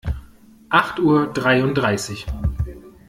Acht Uhr dreiunddreißig.